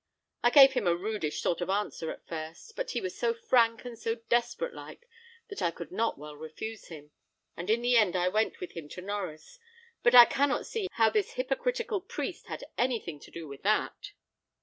I gave him a rudish sort of answer at first; but he was so frank and so desperate like, that I could not well refuse; and in the end I went with him to Norries, but I cannot see how this hypocritical priest had anything to do with that."